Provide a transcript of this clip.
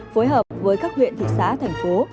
phối hợp với các huyện thị xã thành phố